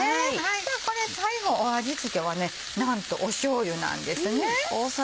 じゃあこれ最後味付けはなんとしょうゆなんですね。